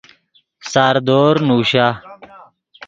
ساردور نوشا